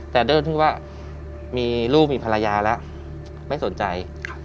แต่เรื่องที่ว่ามีลูกมีภรรยาแล้วไม่สนใจ